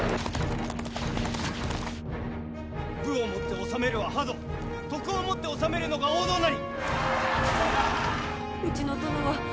武を持って治めるは覇道徳を持って治めるのが王道なり。